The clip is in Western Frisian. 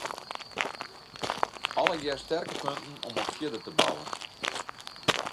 Allegearre sterke punten om op fierder te bouwen.